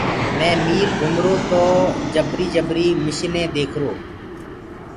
مي ميٚل گهمرو تو مي جبري جبري مشني ديکرو۔